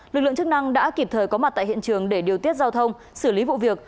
lực lượng chức năng đã kịp thời có mặt tại hiện trường để điều tiết giao thông xử lý vụ việc